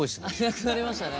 なくなりましたね。